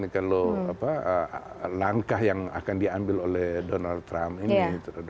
kalau langkah yang akan diambil oleh donald trump ini